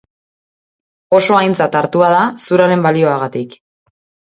Oso aintzat hartua da zuraren balioagatik.